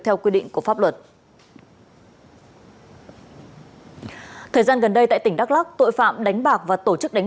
theo quy định của pháp luật thời gian gần đây tại tỉnh đắk lắc tội phạm đánh bạc và tổ chức đánh